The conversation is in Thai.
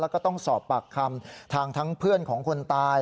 แล้วก็ต้องสอบปากคำทางทั้งเพื่อนของคนตาย